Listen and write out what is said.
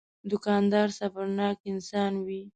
دوکاندار صبرناک انسان وي.